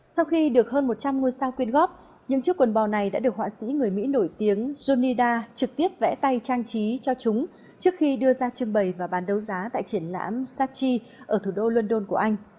sau khi được hơn một trăm linh ngôi sao quyên góp những chiếc quần bò này đã được họa sĩ người mỹ nổi tiếng jonida trực tiếp vẽ tay trang trí cho chúng trước khi đưa ra trưng bày và bán đấu giá tại triển lãm satchi ở thủ đô london của anh